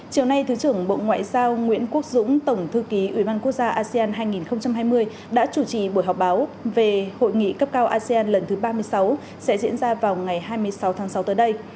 chiều nay thứ trưởng bộ ngoại giao nguyễn quốc dũng tổng thư ký ủy ban quốc gia asean hai nghìn hai mươi đã chủ trì buổi họp báo về hội nghị cấp cao asean lần thứ ba mươi sáu sẽ diễn ra vào ngày hai mươi sáu tháng sáu tới đây